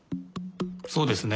そうですね。